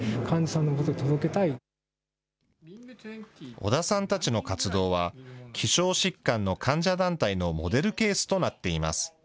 織田さんたちの活動は、希少疾患の患者団体のモデルケースとなっています。